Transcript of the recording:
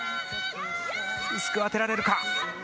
薄く当てられるか？